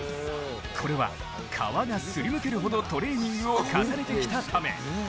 これは、皮がすりむけるほどトレーニングを重ねてきたため。